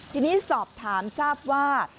ทีนี้สอบถามทราบว่า